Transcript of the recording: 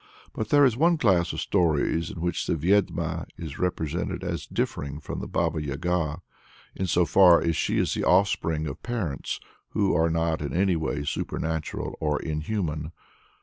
But there is one class of stories in which the Vyed'ma is represented as differing from the Baba Yaga, in so far as she is the offspring of parents who are not in any way supernatural or inhuman.